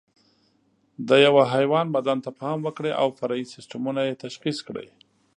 د یوه حیوان بدن ته پام وکړئ او فرعي سیسټمونه یې تشخیص کړئ.